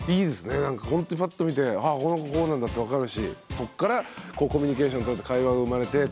なんかほんとにパッと見てああこの子こうなんだって分かるしそっからコミュニケーション取れて会話が生まれてっていう。